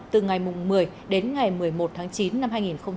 từ ngày một mươi đến ngày một mươi một tháng chín năm hai nghìn hai mươi